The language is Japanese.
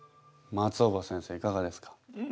松尾葉先生いかがですか？